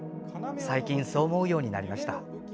最近そう思うようになりました。